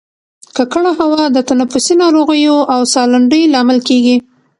ککړه هوا د تنفسي ناروغیو او سالنډۍ لامل کیږي